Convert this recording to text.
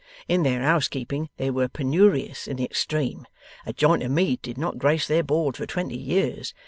In their housekeeping they were penurious in the extreme. A joint of meat did not grace their board for twenty years.